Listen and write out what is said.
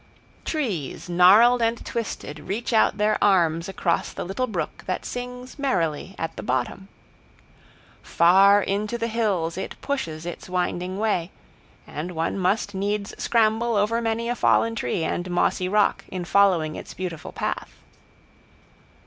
Trees, gnarled and twisted, reach out their arms across the little brook that sings merrily at the bottom. Far into the hills it pushes its winding way, and one must needs scramble over many a fallen tree and mossy rock in following its beautiful path.